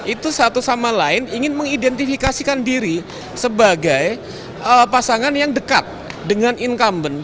itu satu sama lain ingin mengidentifikasikan diri sebagai pasangan yang dekat dengan incumbent